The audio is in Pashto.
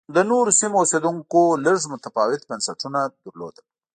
د نورو سیمو اوسېدونکو لږ متفاوت بنسټونه لرل